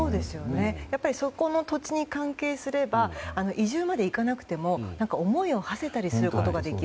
やっぱりそこの土地に関係すれば移住までいかなくても思いをはせたりすることができる。